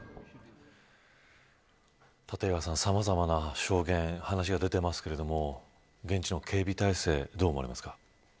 立岩さん、さまざまな証言話が出ていますが現地の警備体制どう思われますか。